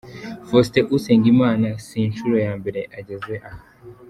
Faustin Usengimana si inshuro ya mbere ageze aha